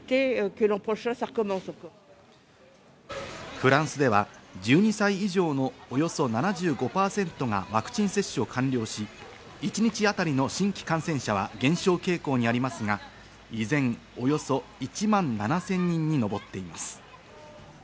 フランスでは１２歳以上のおよそ７５％がワクチン接種を完了し、一日当たりの新規感染者は減少傾向にありますが、依然、およそ１万７０００人に上っています。